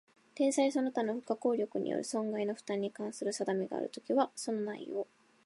天災その他不可抗力による損害の負担に関する定めがあるときは、その内容